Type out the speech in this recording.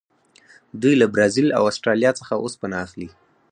دوی له برازیل او اسټرالیا څخه اوسپنه اخلي.